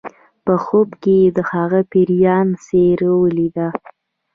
په خوب کې یې د هغه پیریان څیره ولیده